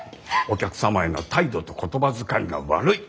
お客様への態度と言葉遣いが悪い。